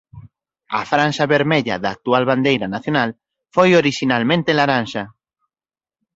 A franxa vermella da actual bandeira nacional foi orixinalmente laranxa.